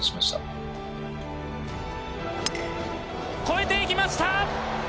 越えて行きました！